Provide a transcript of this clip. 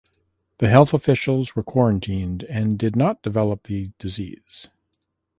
The health officials were quarantined and did not develop the disease.